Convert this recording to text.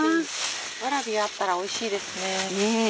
ワラビあったらおいしいですね。